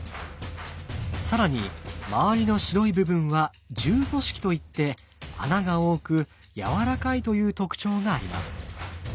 更に周りの白い部分は柔組織といって穴が多くやわらかいという特徴があります。